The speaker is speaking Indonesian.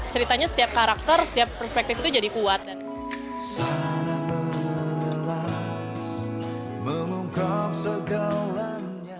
ceritanya setiap karakter setiap perspektif itu jadi kuat